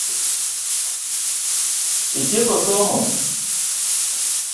Itieko somo?